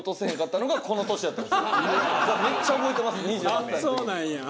あっそうなんや。